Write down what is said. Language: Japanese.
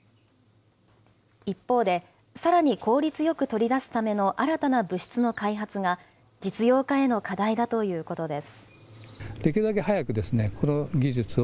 一方で、さらに効率よく取り出すための新たな物質の開発が、実用化への課題だということです。